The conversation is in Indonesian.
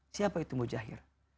siapa itu mujahir